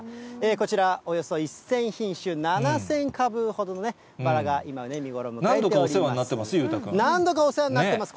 こちら、およそ１０００品種、７０００株ほどのバラが今、何度かお世話になってます？